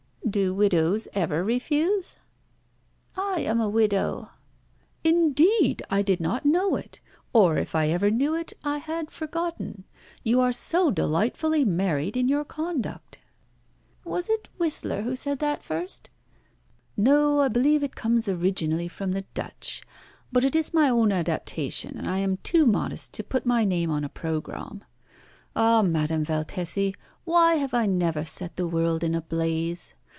"Do widows ever refuse?" "I am a widow." "Indeed! I did not know it, or, if I ever knew it, I had forgotten. You are so delightfully married in your conduct." "Was it Whistler who said that first?" "No, I believe it comes originally from the Dutch. But it is my own adaptation, and I am too modest to put my name on a programme. Ah! Madame Valtesi, why have I never set the world in a blaze?